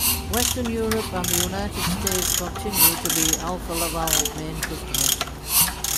Western Europe and the United States continue to be Alfa Laval main customers.